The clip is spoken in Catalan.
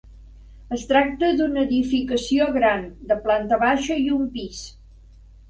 Es tracta d'una edificació gran, de planta baixa i un pis.